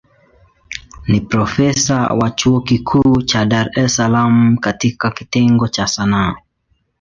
Ni profesa wa chuo kikuu cha Dar es Salaam katika kitengo cha Sanaa.